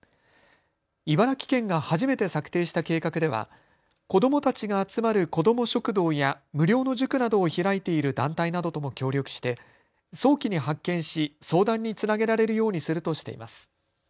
茨城県が初めて策定した計画では子どもたちが集まる子ども食堂や無料の塾などを開いている団体などとも協力して早期に発見し相談につなげられるようにするとしています。